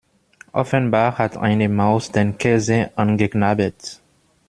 Offenbar hat eine Maus den Käse angeknabbert.